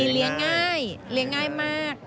เลี้ยงง่ายเลี้ยงง่ายมาก